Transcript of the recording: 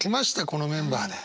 このメンバーで。